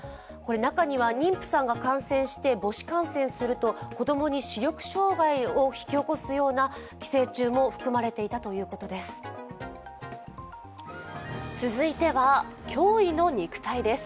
中には妊婦さんが感染して母子感染すると子供に視力障害を引き起こすような寄生虫も含まれていたということです。